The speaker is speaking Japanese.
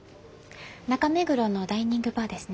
中目黒のダイニングバーですね。